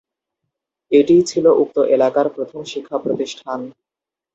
এটিই ছিল উক্ত এলাকার প্রথম শিক্ষাপ্রতিষ্ঠান।